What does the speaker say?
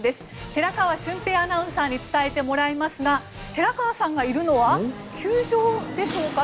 寺川俊平アナウンサーに伝えてもらいますが寺川さんがいるのは球場でしょうか？